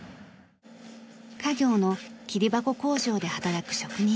家業の桐箱工場で働く職人です。